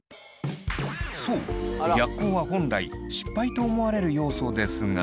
そう逆光は本来失敗と思われる要素ですが。